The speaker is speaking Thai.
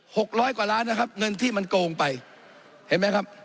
หกร้อยกว่าล้านนะครับเงินที่มันโกงไปเห็นไหมครับ